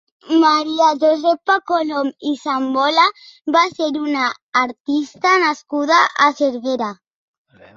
Maria Josepa Colom i Sambola va ser una artista nascuda a Cervera.